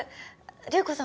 流子さん